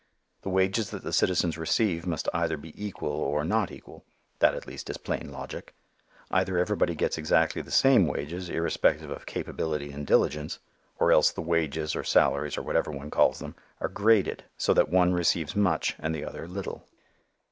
The wages that the citizens receive must either be equal or not equal. That at least is plain logic. Either everybody gets exactly the same wages irrespective of capability and diligence, or else the wages or salaries or whatever one calls them, are graded, so that one receives much and the other little.